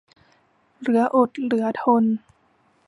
เหลืออดเหลือทน